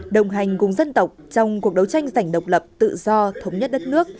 đồng hành cùng dân tộc trong cuộc đấu tranh giành độc lập tự do thống nhất đất nước